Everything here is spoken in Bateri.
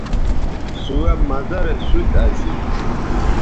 سوہ مزہ رے سوت اسی